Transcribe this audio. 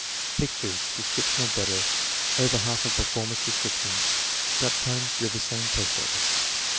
Pictures, description or better. (Over half of performance description:) Dutch Home; River Scene; Post Office.